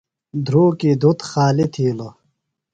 دھرُوکی دُھت خالیۡ تِھیلوۡ۔